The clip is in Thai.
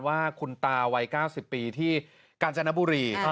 ว่าคุณตาวัย๙๐ปีที่กาญจนบุรี